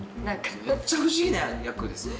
めっちゃ不思議な役ですよね？